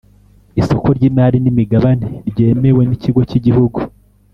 Isoko ry’imari n’imigabane ryemewe n’Ikigo cy’igihugu